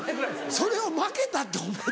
それを負けたってお前。